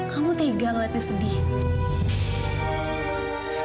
kamu tegang lihatnya sedih